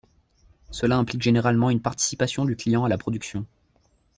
Cela implique généralement une participation du client à la production.